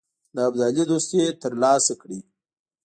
د ابدالي دوستي تر لاسه کړي.